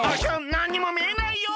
なんにもみえないよ！